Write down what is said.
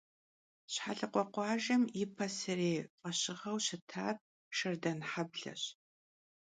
Şhelıkhue khuajjem yi paserêy f'eşığeu şıtaş Şerdanheble.